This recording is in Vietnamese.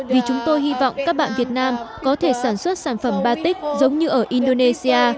vì chúng tôi hy vọng các bạn việt nam có thể sản xuất sản phẩm batech giống như ở indonesia